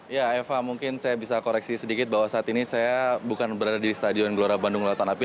ya eva mungkin saya bisa koreksi sedikit bahwa saat ini saya bukan berada di stadion gelora bandung lautan api